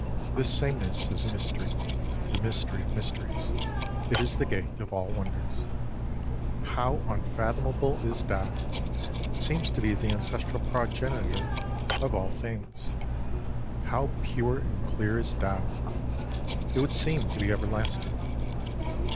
This same ness is a mystery, ŌĆö the mystery of mysteries. It is the gate of all wonders. How unfathomable is Tao ! It seems to be the ancestral progenitor of all things. How pure and clear is Tao ! It would seem to be everlast ing.